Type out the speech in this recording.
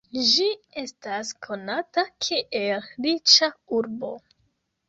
Ĝi estas konata kiel riĉa urbo.